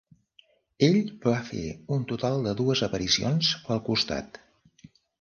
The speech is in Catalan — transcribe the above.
Ell va fer un total de dues aparicions pel costat.